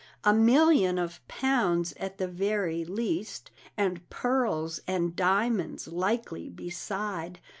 A million of pounds, at the very least, And pearls and diamonds, likely, beside!"